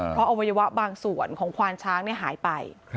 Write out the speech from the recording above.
เพราะอวัยวะบางส่วนของควานช้างหายไป